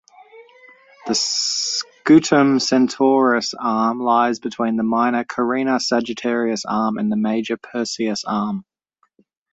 The Scutum-Centaurus Arm lies between the minor Carina-Sagittarius Arm and the major Perseus Arm.